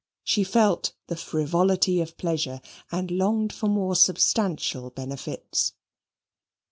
She felt the frivolity of pleasure and longed for more substantial benefits.